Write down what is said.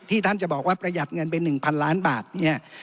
ที่ท่านจะบอกว่าประหยัดเงินไปหนึ่งพันล้านบาทเนี้ย